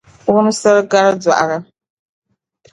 Wumsir’ gari dɔɣira.